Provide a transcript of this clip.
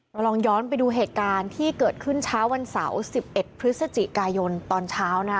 เราลองย้อนไปดูเหตุการณ์ที่เกิดขึ้นเช้าวันเสาร์๑๑พฤศจิกายนตอนเช้านะคะ